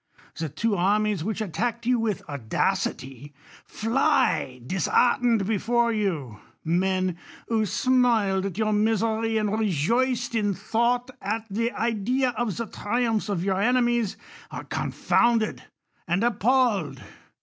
1 he tvso armies which attacked you with audacity, fly di .heart ened before vou. Men, who smiled at your inisei y, , and rejoiccd'in thought at the idea of the triumphs ot vour enemies, are confounded and appalled.